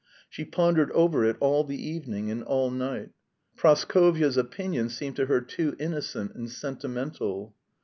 She pondered over it all the evening and all night. Praskovya's opinion seemed to her too innocent and sentimental.